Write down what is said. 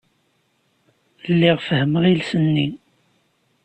Lliɣ fehhmeɣ iles-nni.